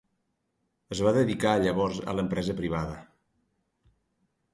Es va dedicar llavors a l'empresa privada.